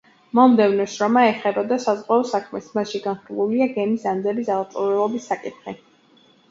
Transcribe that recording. მომდევნო შრომა ეხებოდა საზღვაო საქმეს; მასში განხილულია გემის ანძების აღჭურვილობის საკითხი.